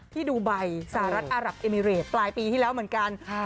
ที่ดูไบสหรัฐอารับเอมิเรตปลายปีที่แล้วเหมือนกัน